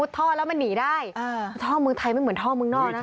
ท่อแล้วมันหนีได้ท่อเมืองไทยไม่เหมือนท่อเมืองนอกนะ